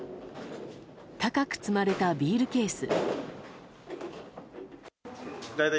高く積まれたビールケース。